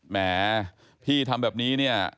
แหมพี่ทำแบบนี้